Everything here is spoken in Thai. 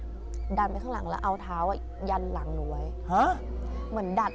จับมือหนูแล้วค่ะดันไปข้างหลังแล้วเอาเท้ายันหลังหนูไว้